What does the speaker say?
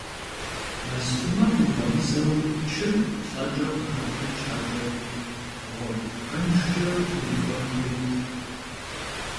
Мэзхъумэм ухуэмызэу чыр плӀэкӀэ къэпхьын щхьэкӀэ гъуэгу пхэнжкӏэ урикӏуэн хуейт.